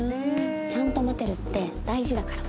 ちゃんと待てるって大事だから。